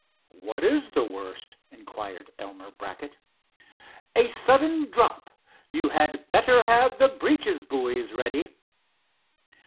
"What is the worst?" inquired Elmer Brackett. "A sudden drop. You had better have the breeches buoys ready."